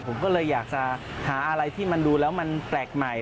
ผมก็เลยอยากจะหาอะไรที่มันดูแล้วมันแปลกใหม่